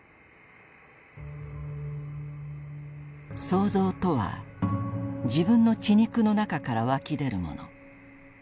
「創造とは自分の血肉の中から湧き出るもの。